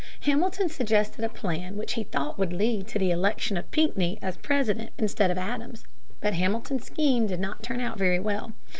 Hamilton suggested a plan which he thought would lead to the election of Pinckney as President instead of Adams. But Hamilton's scheme did not turn out very well.